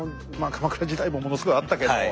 鎌倉時代もものすごいあったけども。